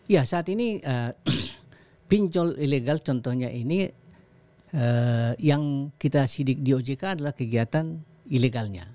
ya saat ini pinjol ilegal contohnya ini yang kita sidik di ojk adalah kegiatan ilegalnya